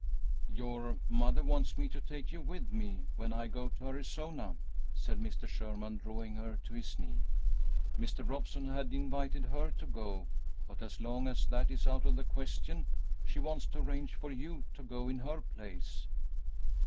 "Your mother wants me to take you with me when I go to Arizona," said Mr. Sherman, drawing her to his knee. "Mr. Robeson had invited her to go, but, as long as that is out of the question, she wants to arrange for you to go in her place."